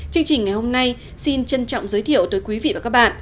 chương trình ngày hôm nay xin trân trọng giới thiệu tới quý vị và các bạn